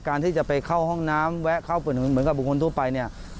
การที่จะไปเข้าห้องน้ำแวะเข้าเหมือนกับบุคคลทั่วไปเนี่ย